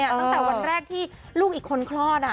ตั้งแต่วันแรกที่ลูกอีกคนคลอด